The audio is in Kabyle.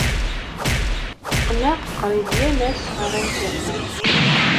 Tteqqneɣ qrib yal ass ɣer Internet.